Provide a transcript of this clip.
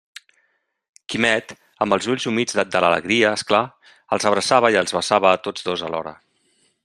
Quimet, amb els ulls humits, de l'alegria, és clar!, els abraçava i els besava a tots dos alhora.